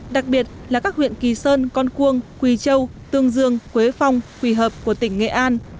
đặc biệt là các huyện kỳ sơn con cuông quỳ châu tương dương quế phong quỳ hợp của tỉnh nghệ an